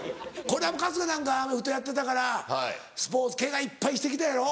これは春日なんかアメフトやってたからスポーツケガいっぱいして来たやろ？